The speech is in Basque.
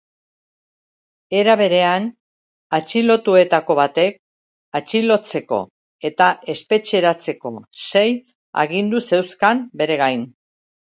Era berean, atxilotuetako batek atxilotzeko eta espetxeratzeko sei agindu zeuzkan bere gain.